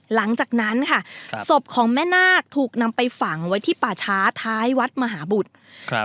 หลังจากนั้นค่ะครับศพของแม่นาคถูกนำไปฝังไว้ที่ป่าช้าท้ายวัดมหาบุตรครับ